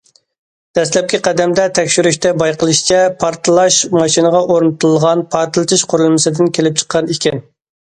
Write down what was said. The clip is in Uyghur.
دەسلەپكى قەدەمدە تەكشۈرۈشتە بايقىلىشىچە، پارتلاش ماشىنىغا ئورنىتىلغان پارتلىشىش قۇرۇلمىسىدىن كېلىپ چىققان ئىكەن.